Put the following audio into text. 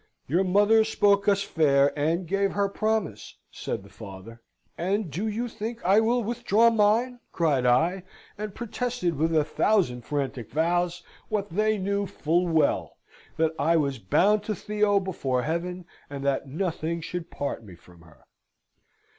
"Your mother spoke us fair, and gave her promise," said the father. "And do you think I will withdraw mine?" cried I; and protested, with a thousand frantic vows, what they knew full well, that I was bound to Theo before Heaven, and that nothing should part me from her."